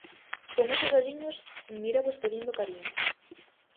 Con eses olliños míravos pedindo cariño...